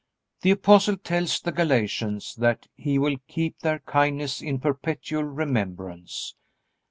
The Apostle tells the Galatians that he will keep their kindness in perpetual remembrance.